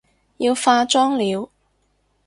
要化妝了